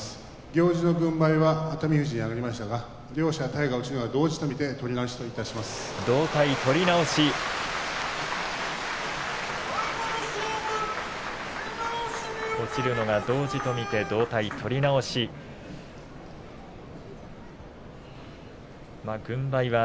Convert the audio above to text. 行司軍配は熱海富士に上がりましたが両者体が落ちるのが同時と見て取り直しといたします。